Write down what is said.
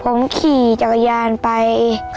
ทำเป็นผู้สาเชื่อมให้น้องรักปั่นจักรยานไปขายตามหมู่บ้านค่ะ